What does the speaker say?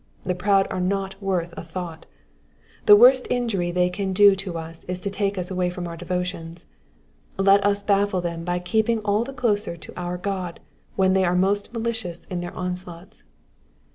The proud are not worth a thought. The worst injury they can do us is to take us away from our devotions ; let us baffle them by keeping all the closer to our Goa when they are most malicious in their onslaughts.